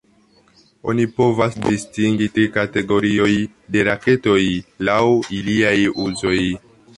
Oni povas distingi tri kategorioj de raketoj laŭ iliaj uzoj.